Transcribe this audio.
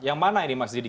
yang mana ini mas didi